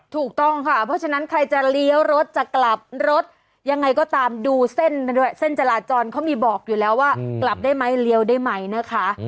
ถูกต้องค่ะเพราะฉะนั้นใครจะเลี้ยวรถจะกลับรถยังไงก็ตามดูเส้นด้วยเส้นจราจรเขามีบอกอยู่แล้วว่ากลับได้ไหมเลี้ยวได้ไหมนะคะ